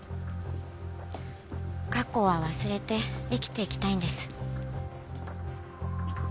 過去は忘れて生きていきたいんです。